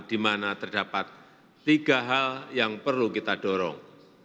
di mana terdapat tiga hal yang perlu kita dorong